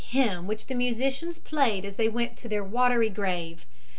} hymn which the musicians played as they went to their watery grave.